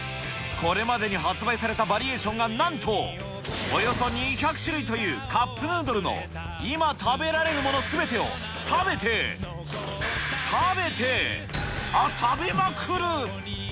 これまでに発売されたバリエーションがなんとおよそ２００種類というカップヌードルの今食べられるものすべてを食べて、食べて、食べまくる。